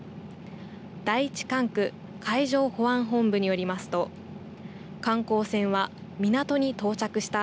第１管区海上保安本部によりますと観光船は港に到着した